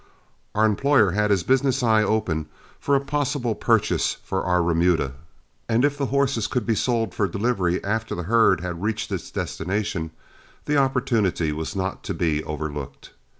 Our employer had his business eye open for a possible purchaser for our remuda, and if the horses could be sold for delivery after the herd had reached its destination, the opportunity was not to be overlooked.